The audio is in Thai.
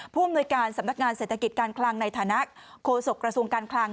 ผู้อำนวยการสำนักงานเศรษฐกิจการคลังในฐานะโฆษกระทรวงการคลัง